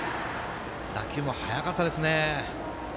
打球も速かったですね。